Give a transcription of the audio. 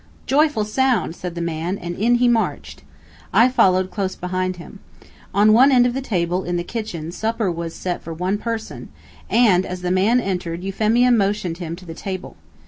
"Joyful sound!" said the man, and in he marched. I followed close behind him. On one end of the table, in the kitchen, supper was set for one person, and, as the man entered, Euphemia motioned him to the table.